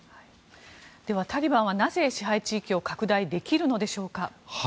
タリバンはなぜ支配地域を拡大できるのでしょうか。